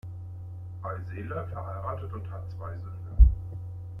Eisele verheiratet und hat zwei Söhne.